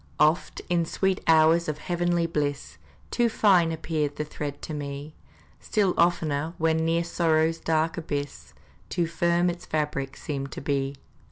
Oft, in sweet hours of heavenly bliss, Too fine appeared the thread to me; Still oftener, when near sorrow's dark abyss, Too firm its fabric seemed to be.